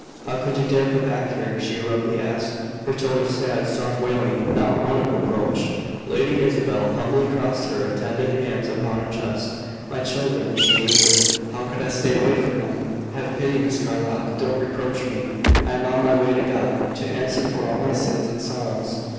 "How could you dare come back here!" she abruptly asked, her tone of sad, soft wailing, not one of reproach. Lady Isabel humbly crossed her attenuated hands upon her chest. "My children," she whispered. "How could I stay away from them? Have pity, Miss Carlyle! Don't reproach me. I am on my way to God, to answer for all my sins and sorrows."